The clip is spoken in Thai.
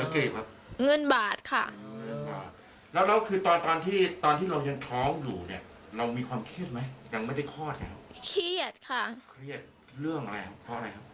เครียดเรื่องอะไรครับเพราะอะไรครับ